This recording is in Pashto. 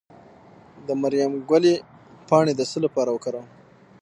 د مریم ګلي پاڼې د څه لپاره وکاروم؟